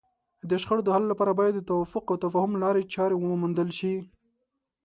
د شخړو د حل لپاره باید د توافق او تفاهم لارې چارې وموندل شي.